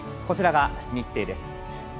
こちらが日程です。